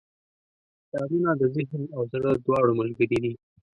• کتابونه د ذهن او زړه دواړو ملګري دي.